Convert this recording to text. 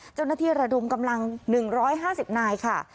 เจ้าธนที่รดุมกำลัง๑๕๐นายค่ะ